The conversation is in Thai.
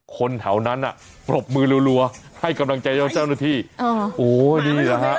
คนแถวนั้นอ่ะปรบมือรัวให้กำลังใจเจ้าเจ้าหน้าที่โอ้นี่แหละฮะ